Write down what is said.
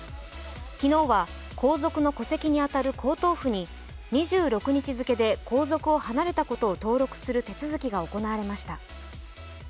昨日は皇族の戸籍に当たる皇統譜に２６日付で皇族を離れたことを登録する手続きが行われました。